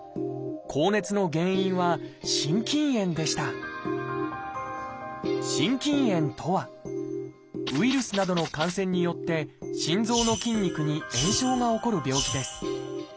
高熱の原因は心筋炎でした「心筋炎」とはウイルスなどの感染によって心臓の筋肉に炎症が起こる病気です。